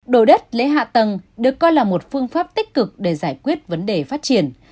đồ đất lấy hạ tầng được coi là một phương pháp tích cực để giải quyết vấn đề phát triển